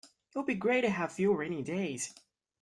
It would be great to have fewer rainy days.